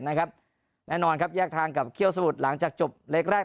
แน่นอนครับแยกทางกับเขี้ยวสมุทรหลังจากจบเล็กแรก